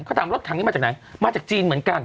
เขาถามรถถังนี้มาจากไหนมาจากจีนเหมือนกัน